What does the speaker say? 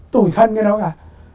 tủi phân cái đó cả